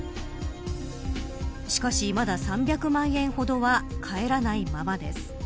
しかし、まだ３００万円ほどは返らないままです。